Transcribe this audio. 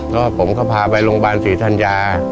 ก็ผมก็พาไปโรงพยาบาลศรีธัญญา